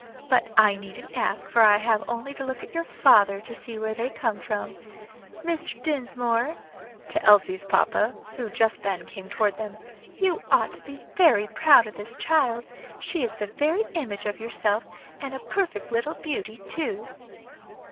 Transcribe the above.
But I needn't ask, for I have only to look at your father to see where they came from. Mr. Dinsmore" to Elsie's papa, who just then came toward them "you ought to be very proud of this child; she is the very image of yourself, and a perfect little beauty, too."